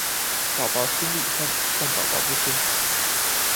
寶寶心裡恨，但寶寶不說